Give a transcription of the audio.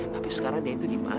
tapi sekarang dia itu di mana